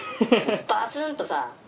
バツンとさ。